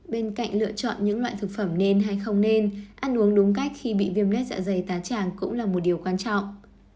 bên cạnh lựa chọn những loại thực phẩm nên hay không nên ăn uống đúng cách khi bị viêm lết dạ dày tá tràng cũng là một điều quan trọng